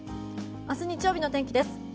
明日日曜日の天気です。